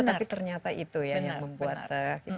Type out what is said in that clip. tapi ternyata itu ya yang membuat kita